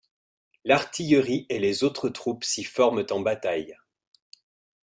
L'artillerie et les autres troupes s'y forment en bataille.